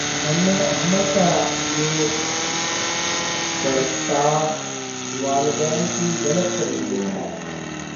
ننھے احمد کا یہ برتا والدین کی غلط تربیت ہے